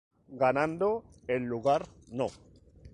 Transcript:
Ganando el lugar No.